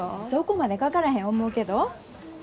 そこまでかからへん思うけど。